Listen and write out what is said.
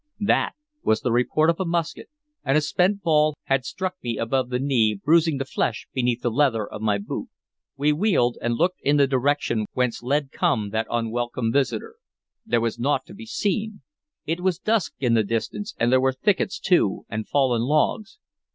"That" was the report of a musket, and a spent ball had struck me above the knee, bruising the flesh beneath the leather of my boot. We wheeled, and looked in the direction whence lead come that unwelcome visitor. There was naught to be seen. It was dusk in the distance, and there were thickets too, and fallen logs.